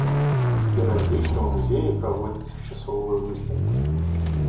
Перыядычна ў музеі праводзяцца часовыя выстаўкі.